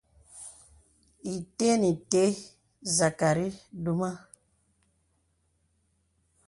Ite nə̀ ite zakari dumə.